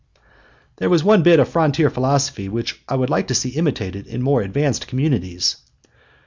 There was one bit of frontier philosophy which I should like to see imitated in more advanced communities.